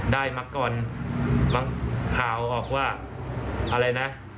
ได้มาก่อนบางข่าวออกว่าอะไรนะ